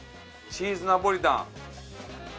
チーズナポリタン。